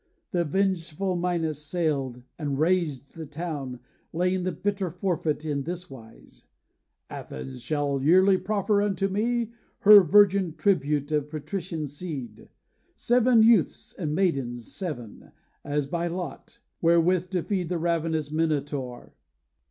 And vengeful Minos sailed, and razed the town, Laying the bitter forfeit in this wise: 'Athens shall yearly proffer unto me Her virgin tribute of patrician seed, Seven youths, and maidens seven, as by lot, Wherewith to feed the ravenous Minotaur.